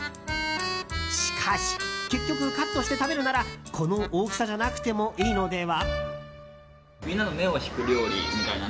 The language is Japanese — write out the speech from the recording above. しかし結局カットして食べるならこの大きさじゃなくてもいいのでは？